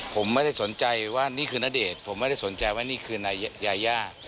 ผมไม่ได้สนใจว่านี่คือณเดชน์ผมไม่ได้สนใจว่านี่คือนายยายา